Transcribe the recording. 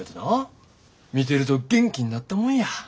見てると元気になったもんや。